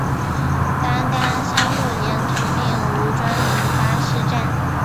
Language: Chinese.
担杆山路沿途并无专营巴士站。